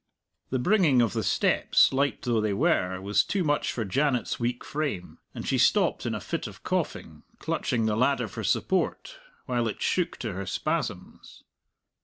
The bringing of the steps, light though they were, was too much for Janet's weak frame, and she stopped in a fit of coughing, clutching the ladder for support, while it shook to her spasms.